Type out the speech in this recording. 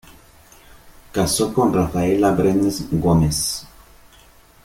Casó con Rafaela Brenes Gómez.